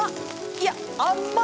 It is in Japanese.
いや、あっま！